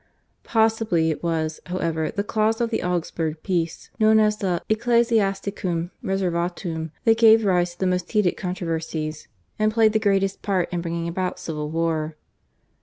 Possibly it was, however, the clause of the Augsburg Peace known as the /Ecclesiasticum Reservatum/ that gave rise to the most heated controversies, and played the greatest part in bringing about civil war.